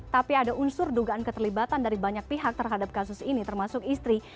tapi ada unsur dugaan keterlibatan dari banyak pihak terhadap kasus ini termasuk istri